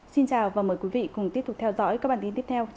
xin chào và mời quý vị cùng tiếp tục theo dõi các bản tin tiếp theo trên anotv